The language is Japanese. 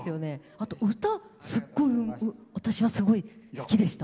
あと、歌、すごい私は好きでした。